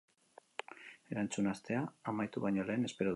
Erantzuna astea amaitu baino lehen espero du.